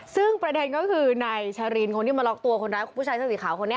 ซึ่งประเด็นก็คือนายชะรีนคนที่มาล็อกตัวผู้ชายศพสีขาว